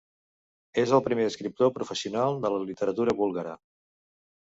És el primer escriptor professional de la literatura búlgara.